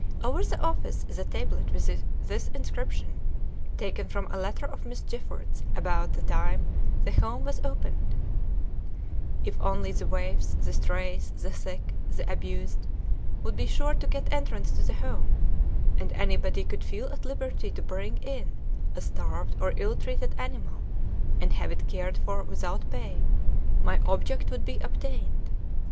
Over the office is a tablet with this inscription, taken from a letter of Miss Gifford's about the time the home was opened: "If only the waifs, the strays, the sick, the abused, would be sure to get entrance to the home, and anybody could feel at liberty to bring in a starved or ill treated animal and have it cared for without pay, my object would be obtained.